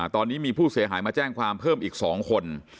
ตอนนี้มีผู้เสียหายมาแจ้งความเพิ่มอีก๒คน